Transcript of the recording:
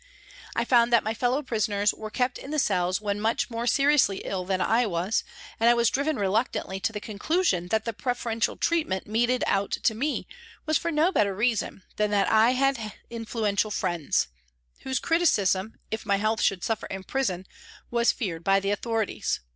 I found that my fellow prisoners were kept in the cells when much more seriously ill than I was, and I was driven reluctantly to the con clusion that the preferential treatment meted out to me was for no better reason than that I had influen tial friends whose criticism, if my health should suffer in prison, was feared by the authorities.